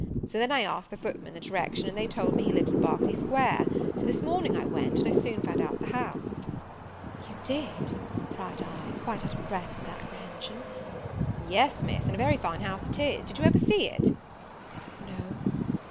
So then I asked the footmen the direction, and they told me he lived in Berkeley square; so this morning I went, and I soon found out the house." "You did!" cried I, quite out of breath with apprehension. "Yes, Miss, and a very fine house it is. Did you ever see it?" "No."